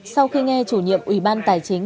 sau khi nghe chủ nhiệm ủy ban tài chính